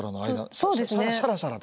そうですね。